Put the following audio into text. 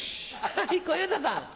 はい小遊三さん。